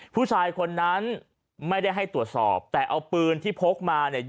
ผู้ชายคนนั้นไม่ได้ให้ตรวจสอบแต่เอาปืนที่พกมาเนี่ย